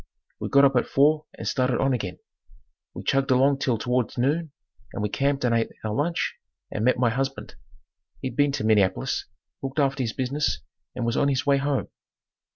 We got up at four and started on again. We chugged along till towards noon and we camped and ate our lunch and met my husband. He'd been to Minneapolis, looked after his business and was on his way home.